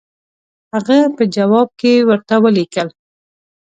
هغه په جواب کې ورته ولیکل.